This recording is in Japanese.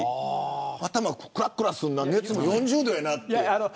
頭、くらくらするな熱も４０度みたいな。